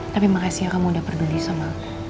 tapi makasih ya kamu udah peduli sama